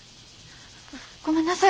ごめんなさい。